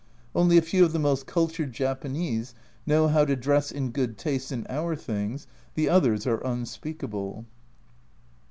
Only a few of the most cultured Japanese know how to dress in good taste in our things, the others are unspeakable.